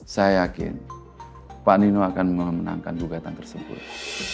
saya yakin pak nino akan memenangkan gugatan tersebut